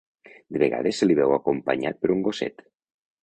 De vegades se li veu acompanyat per un gosset.